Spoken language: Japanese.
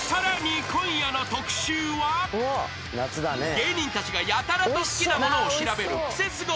［芸人たちがやたらと好きなものを調べるクセスゴ！